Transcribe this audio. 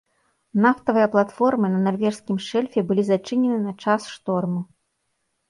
Нафтавыя платформы на нарвежскім шэльфе былі зачынены на час шторму.